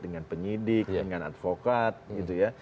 dengan penyidik dengan advokat gitu ya